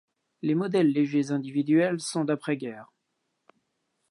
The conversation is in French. Les modèles légers individuels sont d'après-guerre.